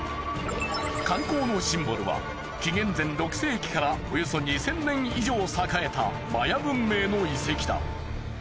観光のシンボルは紀元前６世紀からおよそ２０００年以上栄えたマヤ文明の遺跡だ。